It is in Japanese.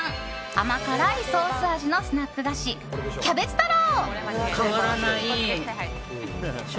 甘辛いソース味のスナック菓子、キャベツ太郎。